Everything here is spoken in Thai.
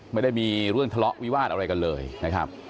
ไม่ได้มีเรื่องทะเลาะวิวาสอะไรกันเลยนะครับ